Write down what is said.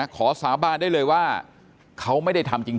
ขอสาบานได้เลยว่าเขาไม่ได้ทำจริง